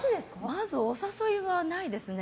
まず、お誘いはないですね。